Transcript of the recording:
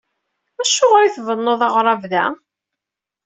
Acuɣer i tbennuḍ aɣrab da?